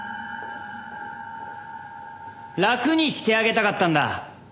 楽にしてあげたかったんだ。